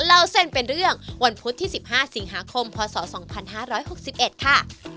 เล่าเส้นเป็นเรื่องวันพุธที่๑๕สิงหาคมพศ๒๕๖๑ค่ะ